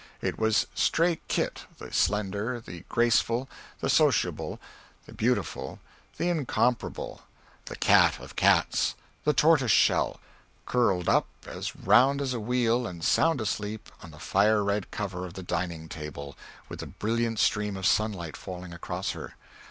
It was "Stray Kit," the slender, the graceful, the sociable, the beautiful, the incomparable, the cat of cats, the tortoise shell, curled up as round as a wheel and sound asleep on the fire red cover of the dining table, with a brilliant stream of sunlight falling across her.